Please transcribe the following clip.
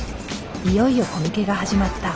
いよいよコミケが始まった。